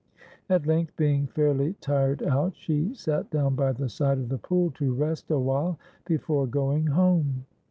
At length, being fairly tired out, she sat down by the side of the pool to rest a while before going home.